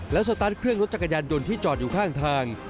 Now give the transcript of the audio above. แล้วสตาร์ทเครื่องรถจักรยานยนต์ที่จอดอยู่ข้างทาง